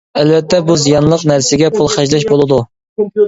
ئەلۋەتتە بۇ زىيانلىق نەرسىگە پۇل خەجلەش بولىدۇ.